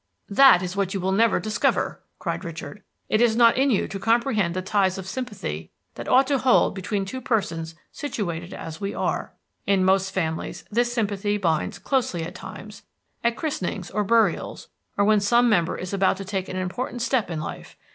"That is what you will never discover!" cried Richard. "It is not in you to comprehend the ties of sympathy that ought to hold between two persons situated as we are. In most families this sympathy binds closely at times, at christenings, or burials, or when some member is about to take an important step in life.